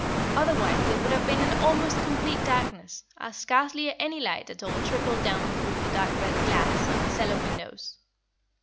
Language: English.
Otherwise they would have been in almost complete darkness, as scarcely any light at all trickled down through the dark red glass of the cellar windows.